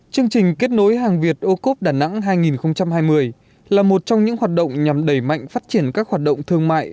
chương trình kết nối hàng việt ô cốp đà nẵng hai nghìn hai mươi là một trong những hoạt động nhằm đẩy mạnh phát triển các hoạt động thương mại